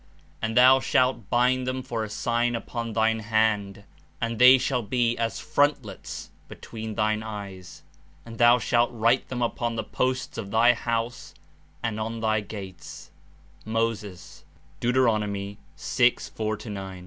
And thou shalt bind them for a sign upon thine hand, and they shall be as frontlets between thine eyes. And thou shalt write them upon the posts of thy house and on thy gates." (Moses. Deut. 6.4 9.)